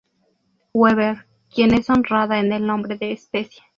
Weber, quien es honrada en el nombre de especie.